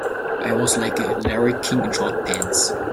I was like a Larry King in short pants.